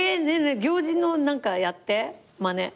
行司の何かやってまね。